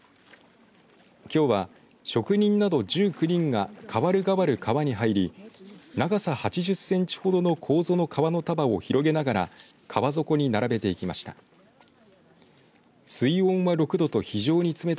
きょうは、職人など１９人がかわるがわる川に入り長さ８０センチほどのこうぞの皮の束を広げながら川底に並べていきました。